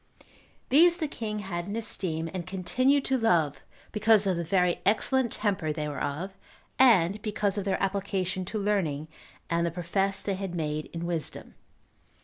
These the king had in esteem, and continued to love, because of the very excellent temper they were of, and because of their application to learning, and the profess they had made in wisdom.